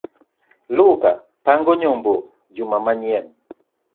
Luka pango nyombo juma ma nyien